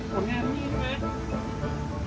ฝนงานมี่ใช่ไหม